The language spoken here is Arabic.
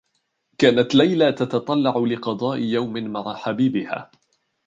كانت ليلى تتطلّع لقضاء يوم مع حبيبها.